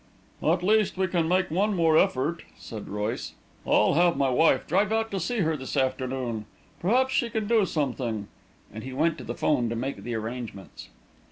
"At least we can make one more effort," said Mr. Royce. "I'll have my wife drive out to see her this afternoon. Perhaps she can do something," and he went to the 'phone to make the arrangements.